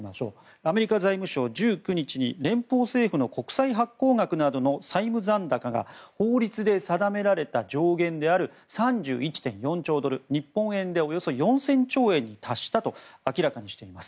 アメリカ財務省、１９日に連邦政府の国債発行額などの債務残高が法律で定められた上限である３１．４兆ドル日本円でおよそ４０００兆円に達したと明らかにしています。